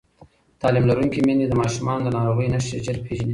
تعلیم لرونکې میندې د ماشومانو د ناروغۍ نښې ژر پېژني